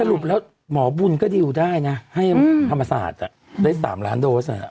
รุปแล้วหมอบุญก็ดิวได้นะให้ธรรมศาสตร์ได้๓ล้านโดส